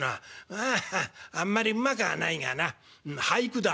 「あああんまりうまくはないがな俳句だ」。